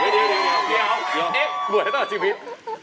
เดี๋ยวเอ๊ะบวชให้ตลอดชีวิต